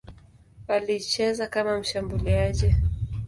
Alicheza kama mshambuliaji.